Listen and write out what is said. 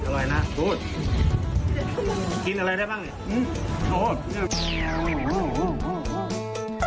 อร่อยนะดูดพี่ที่ไหนอะไรได้บ้างเหรอโอ้โฮ